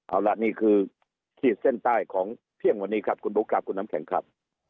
เอาล่ะนี่คือขีดเส้นใต้ของเที่ยงวันนี้ครับคุณบุ๊คครับคุณน้ำแข็งครับ